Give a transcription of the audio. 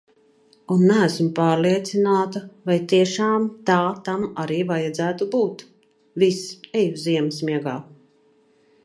Un neesmu pārliecināta, vai tiešām tā tam arī vajadzētu būt. Viss, eju ziemas miegā!